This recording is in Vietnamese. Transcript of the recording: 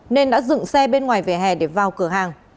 nên đã dựng xe bên ngoài vỉa hè để vào cửa hàng